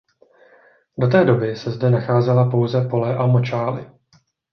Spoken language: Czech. Do té doby se zde nacházela pouze pole a močály.